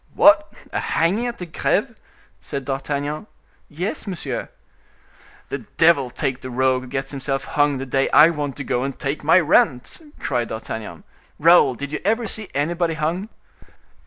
"What! a hanging at the Greve?" said D'Artagnan. "Yes, monsieur." "The devil take the rogue who gets himself hung the day I want to go and take my rent!" cried D'Artagnan. "Raoul, did you ever see anybody hung?"